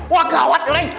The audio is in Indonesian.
wah gawat leng